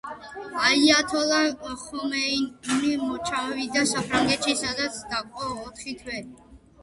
აიათოლა ხომეინი ჩავიდა საფრანგეთში, სადაც დაჰყო ოთხი თვე.